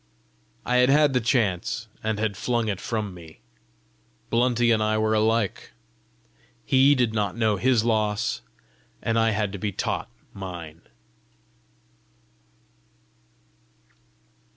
I had had the chance, and had flung it from me! Blunty and I were alike! He did not know his loss, and I had to be taught mine!